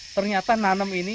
ternyata nanam ini